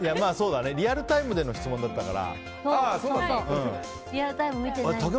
リアルタイムでの質問だったから。